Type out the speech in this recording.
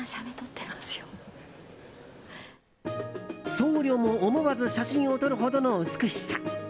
僧侶も思わず写真を撮るほどの美しさ。